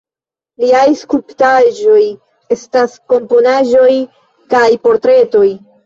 Liaj skulptaĵoj estas komponaĵoj kaj portretoj.